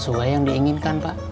bisa dapat jadwal yang diinginkan pak